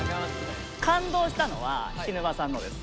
感動したのは菱沼さんのです。